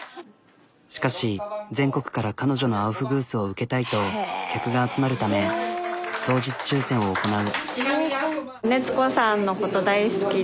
しかし全国から彼女のアウフグースを受けたいと客が集まるため当日抽選を行なう。